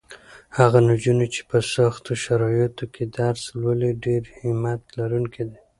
هغه نجونې چې په سختو شرایطو کې درس لولي ډېرې همت لرونکې دي.